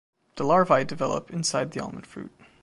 The larvae develop inside the almond fruit.